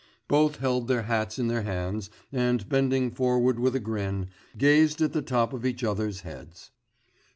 Both held their hats in their hands and bending forward with a grin, gazed at the top of each other's heads.